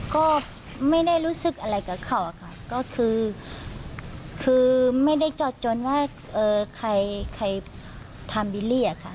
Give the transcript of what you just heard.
ก็ไม่ได้รู้สึกอะไรกับเขาอะค่ะก็คือคือไม่ได้จอดจนว่าใครทำบิลลี่อะค่ะ